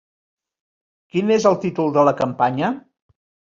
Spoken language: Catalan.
Quin és el títol de la campanya?